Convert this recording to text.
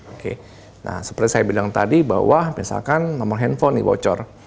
oke seperti yang saya bilang tadi bahwa misalkan nomor handphone ini bocor